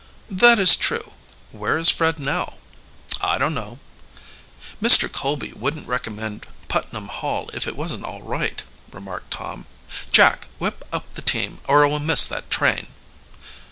"That is true. Where is Fred now?" "I don't know." "Mr. Colby wouldn't recommend Putnam Hall if it wasn't all right," remarked Tom. "Jack, whip up the team, or we'll miss that train."